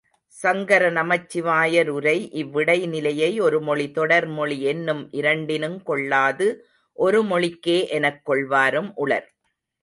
சங்கர நமச்சிவாயர் உரை இவ்விடை நிலையை ஒருமொழி தொடர்மொழி என்னும் இரண்டினுங் கொள்ளாது ஒருமொழிக்கே எனக் கொள்வாரும் உளர்.